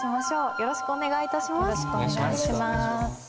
よろしくお願いします。